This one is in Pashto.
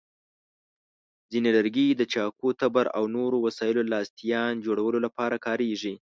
ځینې لرګي د چاقو، تبر، او نورو وسایلو لاستیان جوړولو لپاره کارېږي.